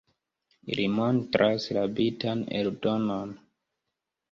Li montras la bitan eldonon.